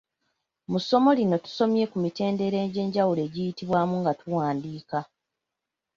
Mu ssomo lino tusomye ku mitendera egy’enjawulo egiyitibwamu nga tuwaandiika.